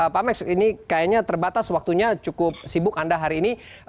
pak max ini kayaknya terbatas waktunya cukup sibuk anda hari ini